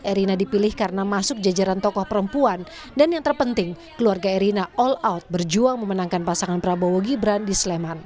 erina dipilih karena masuk jajaran tokoh perempuan dan yang terpenting keluarga erina all out berjuang memenangkan pasangan prabowo gibran di sleman